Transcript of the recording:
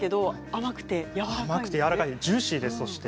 甘くてやわらかくてジューシーです。